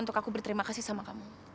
untuk aku berterima kasih sama kamu